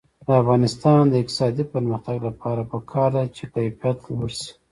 د افغانستان د اقتصادي پرمختګ لپاره پکار ده چې کیفیت لوړ شي.